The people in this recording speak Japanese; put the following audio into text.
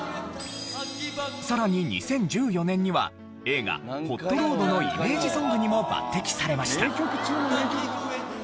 さらに２０１４年には映画『ホットロード』のイメージソングにも抜擢されました。